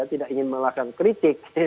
tidak ingin mengalahkan kritik